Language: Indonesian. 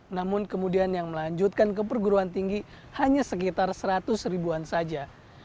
namun kemudian yang melanjutkan ke perguruan tinggi hanya sekitar seratus ribuan saja